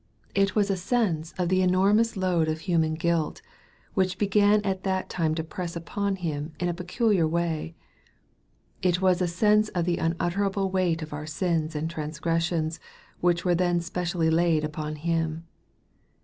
It was a sense of the enormous load of human guilt, which began at that time to press upon Him in a peculiar way It was a sense of the unutterable weight of our sins and transgressioDS which were then specially laid upon Him.